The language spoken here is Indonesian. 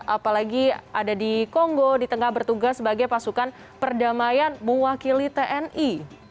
apalagi ada di kongo di tengah bertugas sebagai pasukan perdamaian mewakili tni